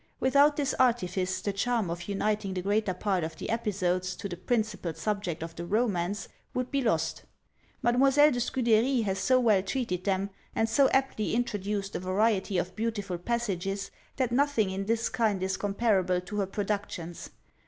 Without this artifice, the charm of uniting the greater part of the episodes to the principal subject of the romance would be lost. Mademoiselle de Scudery has so well treated them, and so aptly introduced a variety of beautiful passages, that nothing in this kind is comparable to her productions.